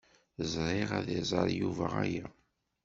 Sriɣ ad iẓer Yuba aya.